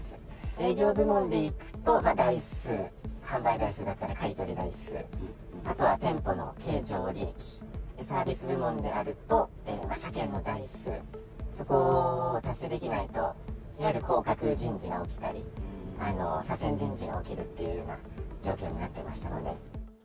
営業部門でいくと、台数、販売台数だったり買い取り台数、あとは店舗の経常利益、サービス部門であると、車検の台数、そこを達成できないと、やはり降格人事が起きたり、左遷人事が起きるっていうような状況になってましたので。